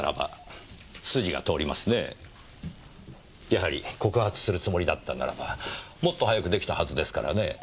やはり告発するつもりだったならばもっと早く出来たはずですからね。